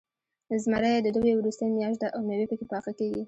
زمری د دوبي وروستۍ میاشت ده، او میوې پکې پاخه کېږي.